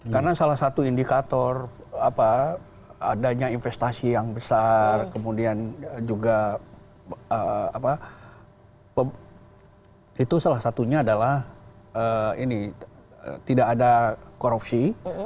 karena salah satu indikator adanya investasi yang besar kemudian juga itu salah satunya adalah ini tidak ada korupsi